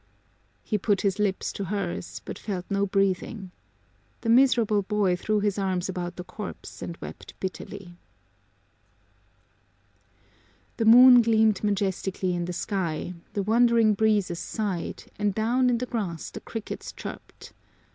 He put his lips to hers, but felt no breathing. The miserable boy threw his arms about the corpse and wept bitterly. The moon gleamed majestically in the sky, the wandering breezes sighed, and down in the grass the crickets chirped.